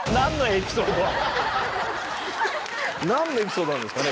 何のエピソードなんですかね？